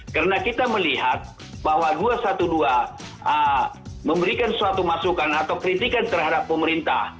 karena kita melihat bahwa dua ratus dua belas memberikan suatu masukan atau kritikan terhadap pemerintah